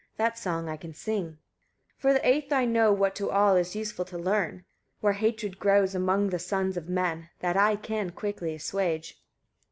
That song I can sing. 155. For the eighth I know, what to all is useful to learn: where hatred grows among the sons of men that I can quickly assuage.